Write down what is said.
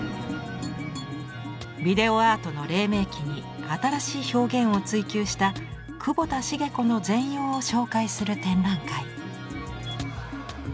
ビデオアートのれい明期に新しい表現を追求した久保田成子の全容を紹介する展覧会。